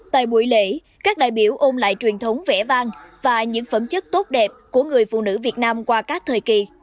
tại buổi lễ các đại biểu ôm lại truyền thống vẽ vang và những phẩm chất tốt đẹp của người phụ nữ việt nam qua các thời kỳ